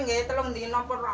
kembali bisa jauh legih juga